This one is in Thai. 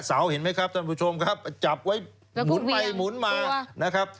เห็นไหมครับท่านผู้ชมครับจับไว้หมุนไปหมุนมานะครับ